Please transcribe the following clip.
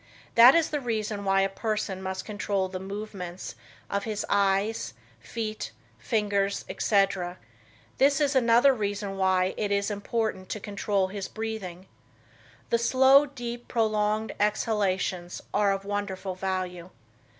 That is the reason why a person must control the movements of his eyes, feet, fingers, etc.; this is another reason why it is important to control his breathing. The slow, deep, prolonged exhalations are of wonderful value.